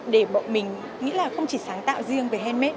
để bọn mình nghĩ là không chỉ sáng tạo riêng về handmade